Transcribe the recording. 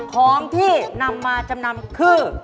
ของที่นำมาจำนำคือ